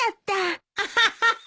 アハハハ！